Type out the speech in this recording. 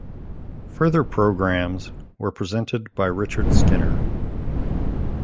Further programmes were presented by Richard Skinner.